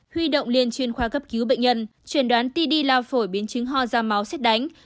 huy động liên chuyên khoa cấp cứu bệnh nhân chuyển đoán ti đi lao phổi biến chứng hò da máu xét đánh